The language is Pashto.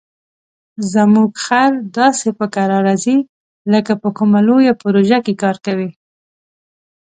زموږ خر داسې په کراره ځي لکه په کومه لویه پروژه کار کوي.